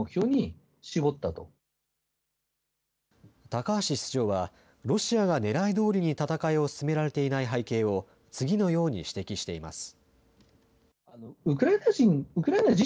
高橋室長は、ロシアがねらいどおりに戦いを進められていない背景を次のように指摘しています。